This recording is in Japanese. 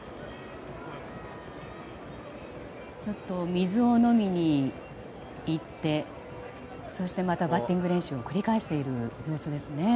水を飲みに行ってそしてまたバッティング練習を繰り返している様子ですね。